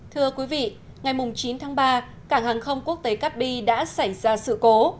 thưa quý vị ngày chín tháng ba cảng hàng không quốc tế cát bi đã xảy ra sự cố